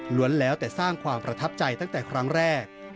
แล้วแต่สร้างความประทับใจตั้งแต่ครั้งแรก